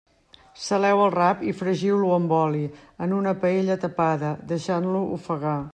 Saleu el rap i fregiu-lo amb oli, en una paella tapada, deixant-lo ofegar.